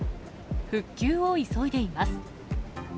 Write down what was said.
復旧を急いでいます。